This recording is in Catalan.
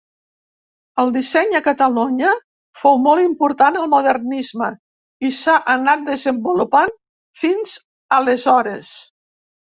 El disseny a Catalunya fou molt important al Modernisme, i s'ha anat desenvolupant fins aleshores.